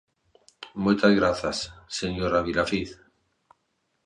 Moitas grazas, señora Vilafiz.